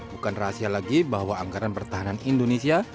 bukan rahasia lagi bahwa anggaran pertahanan indonesia